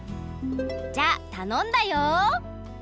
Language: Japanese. じゃあたのんだよ！